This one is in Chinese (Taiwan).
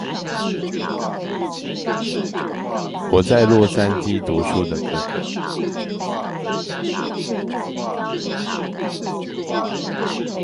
我在洛杉磯讀書的哥哥